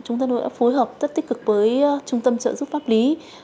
chúng tôi đã phối hợp rất tích cực với trung tâm trợ giúp pháp lý